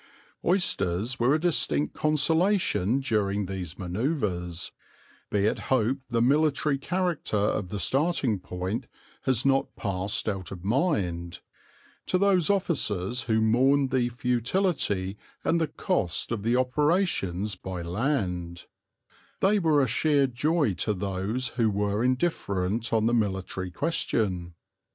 Oysters were a distinct consolation during these manoeuvres be it hoped the military character of the starting point has not passed out of mind to those officers who mourned the futility and the cost of the operations by land: they were a sheer joy to those who were indifferent on the military question.